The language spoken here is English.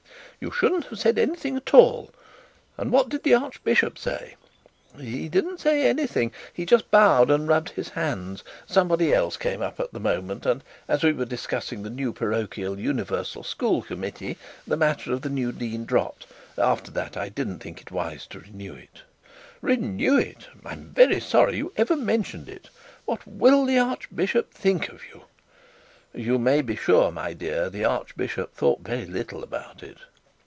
'You shouldn't have said anything at all. And what did the archbishop say?' 'He didn't say anything; he just bowed and rubbed his hands. Somebody else came up at the moment, and as we were discussing the new parochial universal school committee, the matter of the new dean dropped; after that I didn't think it was wise to renew it.' 'Renew it! I am very sorry you ever mentioned it. What will the archbishop think of that?' 'You may be sure, my dear, that the archbishop thought very little about it.'